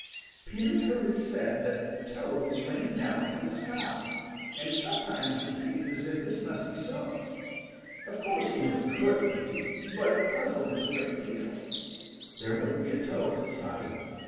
Peter had heard it said that Toads rain down from the sky, and sometimes it seems as if this must be so. Of course he knew it couldn't be, but it puzzled him a great deal. There wouldn't be a Toad in sight.